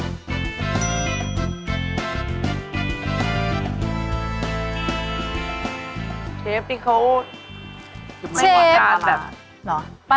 เชฟที่เขาชิบไม่กดตาดแบบ